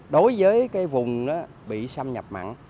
đối với vùng bị xâm nhập mặn